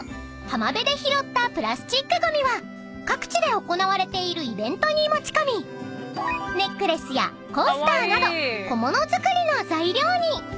浜辺で拾ったプラスチックごみは各地で行われているイベントに持ち込みネックレスやコースターなど小物作りの材料に］